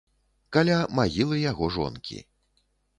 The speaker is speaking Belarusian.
Каля магілы яго жонкі.